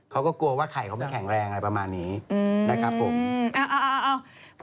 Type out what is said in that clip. เขาก็กลัวว่าไข่เขาไม่แข็งแรงอะไรประมาณนี้นะครับผม